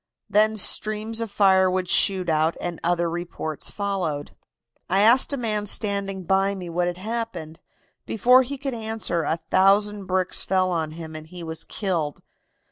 Then streams of fire would shoot out, and other reports followed. "I asked a man standing by me what had happened. Before he could answer a thousand bricks fell on him and he was killed.